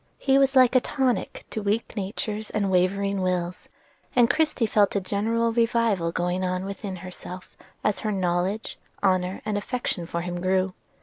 He was like a tonic to weak natures and wavering wills; and Christie felt a general revival going on within herself as her knowledge, honor, and affection for him grew.